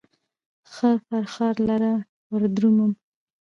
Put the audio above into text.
څه فرخار لره وردرومم